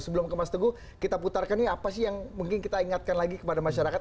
sebelum ke mas teguh kita putarkan nih apa sih yang mungkin kita ingatkan lagi kepada masyarakat